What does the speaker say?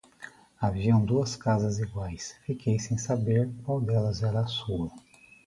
Haviam duas casas iguais, fiquei sem saber qual delas era a sua.